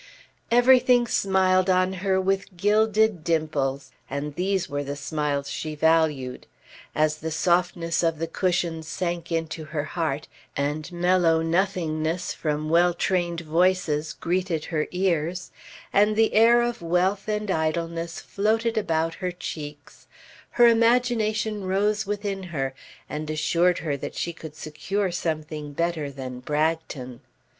Everything smiled on her with gilded dimples, and these were the smiles she valued. As the softness of the cushions sank into her heart, and mellow nothingnesses from well trained voices greeted her ears, and the air of wealth and idleness floated about her cheeks, her imagination rose within her and assured her that she could secure something better than Bragton.